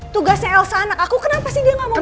tugasnya elsa anak aku kenapa sih dia gak mau bantuin